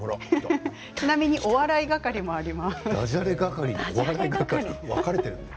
ちなみにお笑い係もありますときています。